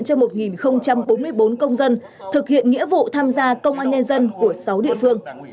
đã tổ chức lễ bế giảng huấn luyện cho một bốn mươi bốn công dân thực hiện nghĩa vụ tham gia công an nhân dân của sáu địa phương